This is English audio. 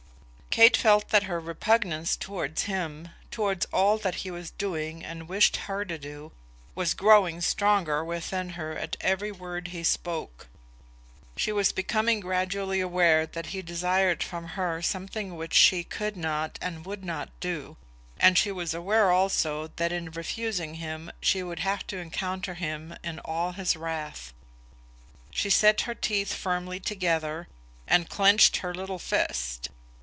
Kate felt that her repugnance towards him, towards all that he was doing and wished her to do, was growing stronger within her at every word he spoke. She was becoming gradually aware that he desired from her something which she could not and would not do, and she was aware also that in refusing him she would have to encounter him in all his wrath. She set her teeth firmly together, and clenched her little fist.